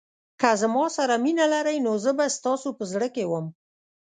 که زما سره مینه لرئ نو زه به ستاسو په زړه کې وم.